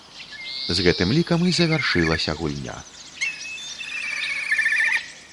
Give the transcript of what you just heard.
З гэтым лікам і завяршылася гульня.